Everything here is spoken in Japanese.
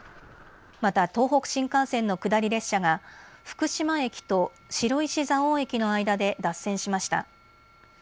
また東北新幹線の下り列車が福島駅と白石蔵王駅の間で脱線しました。